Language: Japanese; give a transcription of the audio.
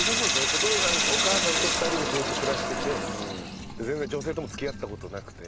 小峠さんお母さんと２人でずっと暮らしてて全然女性とも付き合った事なくて。